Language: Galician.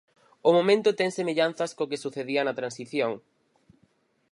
O momento ten semellanzas co que sucedía na Transición.